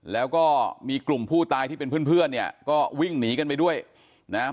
แล้วก็มีกลุ่มผู้ตายที่เป็นเพื่อนเพื่อนเนี่ยก็วิ่งหนีกันไปด้วยนะฮะ